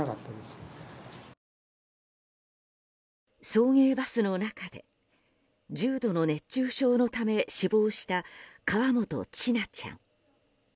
送迎バスの中で重度の熱中症のため死亡した河本千奈ちゃん。